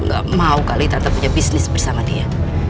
gak mau kali tata punya bisnis bersama dia